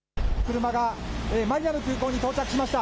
車がマニラの空港に到着しました。